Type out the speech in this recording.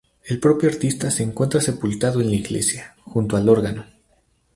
El propio artista se encuentra sepultado en la iglesia, junto al órgano.